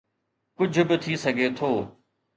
ڪجهه به ٿي سگهي ٿو.